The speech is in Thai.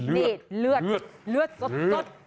นี่เลือดเลือดสด